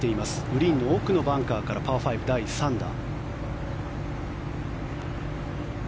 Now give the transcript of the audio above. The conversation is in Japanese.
グリーンの奥のバンカーからパー５、第３打。